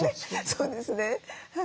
そうですね。